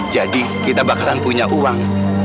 jadi kita bakalan punya uang